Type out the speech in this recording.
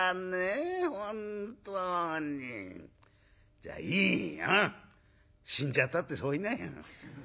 じゃあいいよ死んじゃったってそう言いなよ」。